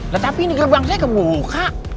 nah tapi ini gerbang saya kebuka